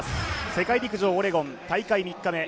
世界陸上オレゴン、大会３日目。